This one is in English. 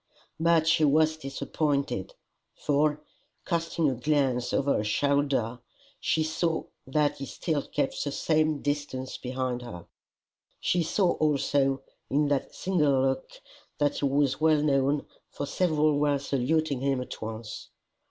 But she was disappointed, for, casting a glance over her shoulder, she saw that he still kept the same distance behind her. She saw also, in that single look, that he was well known, for several were saluting him at once.